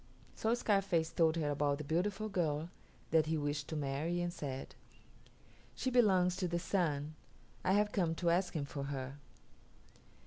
So Scarface told her about the beautiful girl that he wished to marry and said, "She belongs to the Sun. I have come to ask him for her."